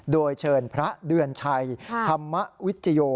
โดยเชิญพระเดือนชัยธรรมวิจโย